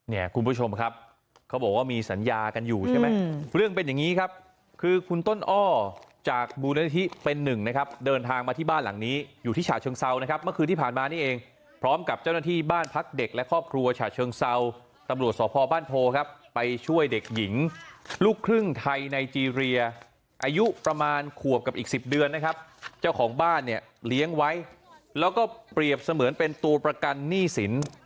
เนี่ยคุณผู้ชมครับเขาบอกว่ามีสัญญากันอยู่ใช่ไหมเรื่องเป็นอย่างนี้ครับคือคุณต้นอ้อจากบูรณฐฐิเป็นหนึ่งนะครับเดินทางมาที่บ้านหลังนี้อยู่ที่ฉาเชิงเซานะครับเมื่อคืนที่ผ่านมานี่เองพร้อมกับเจ้าหน้าที่บ้านพักเด็กและครอบครัวฉาเชิงเซาตำรวจสอบพอบ้านโพครับไปช่วยเด็กหญิงลูกครึ่งไท